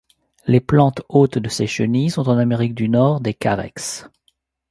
Les plantes hôtes de ses chenilles sont en Amérique du Nord des Carex.